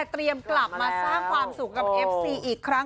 กลับมาสร้างความสุขกับเอฟซีอีกครั้ง